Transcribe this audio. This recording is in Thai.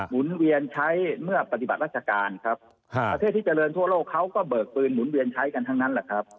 หุ่นเวียนใช้เมื่อปฏิบัติราชการครับประเทศที่เจริญทั่วโลกเขาก็เบิกปืนหมุนเวียนใช้กันทั้งนั้นแหละครับ